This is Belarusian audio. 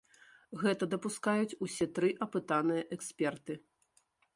Гэта дапускаюць усе тры апытаныя эксперты.